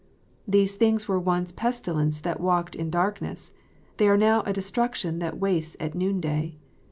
These things were once a pestilence that walked in darkness. They are now a destruction that wastes in noonday.